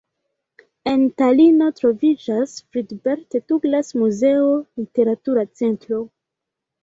En Talino troviĝas Friedebert-Tuglas-muzeo, literatura centro.